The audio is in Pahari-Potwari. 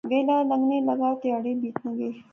ویلا لنگنا گیا۔ تہاڑے بیتنے گئے